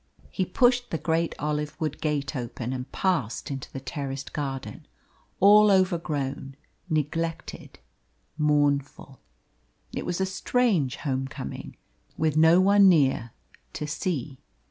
He pushed the great olive wood gate open and passed into the terraced garden, all overgrown, neglected, mournful. It was a strange home coming, with no one near to see.